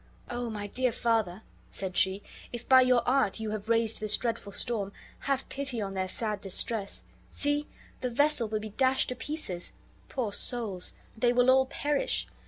"O my dear father," said she, "if by your art you have raised this dreadful storm, have pity on their sad distress. See! the vessel will be dashed to pieces. Poor souls! they will all perish.